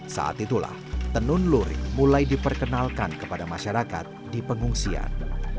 saat itulah tenun luring mulai diperkenalkan kepada masyarakat di pengungsian